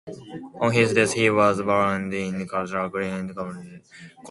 On his death he was buried in Kensal Green Cemetery.